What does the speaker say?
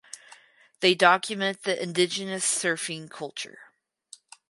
They document the indigenous surfing culture.